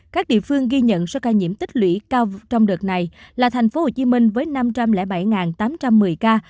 các địa phương ghi nhận số ca nhiễm tích lũy cao trong đợt này là tp hcm với năm trăm linh bảy tám trăm một mươi ca